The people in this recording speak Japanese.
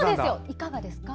いかがですか？